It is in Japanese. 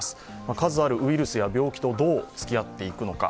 数あるウイルスや病気とどうつきあっていくのか。